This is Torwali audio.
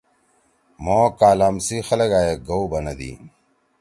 مھو کالام سی خلگا ئے گؤ بنَدی۔